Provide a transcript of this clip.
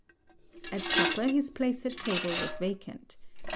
At supper, his place at table was vacant.